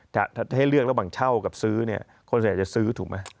จะให้เลือกระหว่างเช่ากับซื้อเนี่ยคนส่วนใหญ่จะซื้อถูกไหม